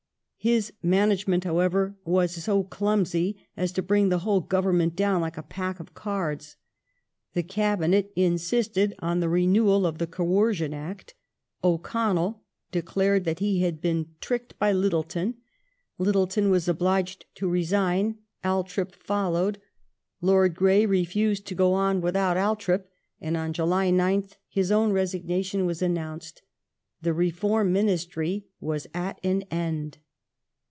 His " management," however, was so clumsy as to bring the whole Government down like a pack of cards. The Cabinet insisted on the renewal of the Coercion Act; O'Connell declared that he had been " tncked by Littleton *'; Littleton was obliged 1837] FALL OF LORD GREY'S MINISTRY 115 to resign ; Althorp followed ; Lord Grey refused to go on without Althoip; and on July 9th his own resignation was announced. The Reform Ministry was at an end.